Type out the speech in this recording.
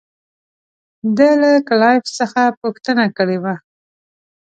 ده له کلایف څخه پوښتنه کړې وه.